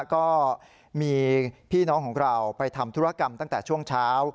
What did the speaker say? ก็มีพี่น้องของเราไปทำธุรกรรมตั้งแต่ช่วงเช้า